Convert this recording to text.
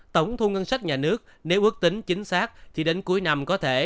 tổng thu ngân sách nhà nước nếu ước tính chính xác thì đến cuối năm có thể